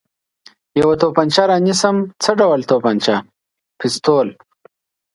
یوه تومانچه را نیسم، څه ډول تومانچه؟ پېسټول.